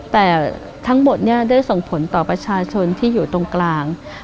แต่ทั้งหมดเนี่ยได้ส่งผลต่อประชาชนที่อยู่ตรงกลาง